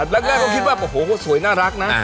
ผมเลยล็อบโอ้โหสวยน่ารักนะ